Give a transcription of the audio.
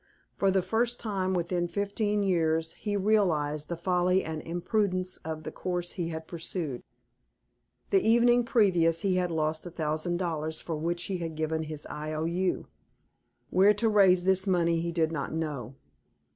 For the first time, within fifteen years, he realized the folly and imprudence of the course he had pursued. The evening previous he had lost a thousand dollars, for which he had given his I O U. Where to raise this money, he did not know.